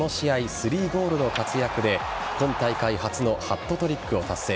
３ゴールの活躍で今大会初のハットトリックを達成。